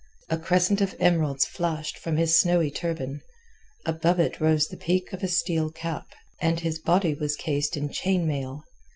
A crescent of emeralds flashed from his snowy turban; above it rose the peak of a steel cap, and his body was cased in chain mail.